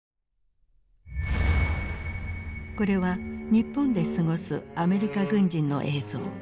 これは日本で過ごすアメリカ軍人の映像。